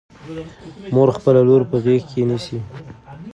مور خپله لور په غېږ کې نیسي.